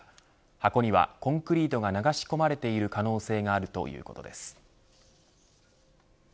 箱にはコンクリートが流し込まれている可能性があるということです。